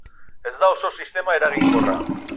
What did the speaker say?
Ez da oso sistema eraginkorra.